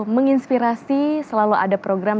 menginspirasi selalu ada program